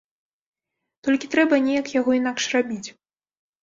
Толькі трэба неяк яго інакш рабіць.